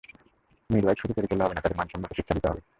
Midwife শুধু তৈরি করলে হবে না, তাঁদের মানসম্মত শিক্ষা দিতে হবে।